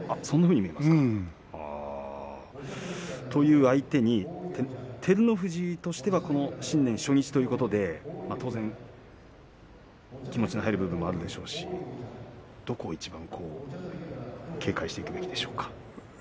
そういう相手に照ノ富士としては新年初日ということで当然気持ちが入る部分もあるでしょうし、どこをいちばん警戒していくべきですか？